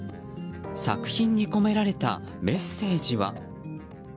作品に込められたメッセージは。